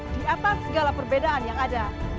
di atas segala perbedaan yang ada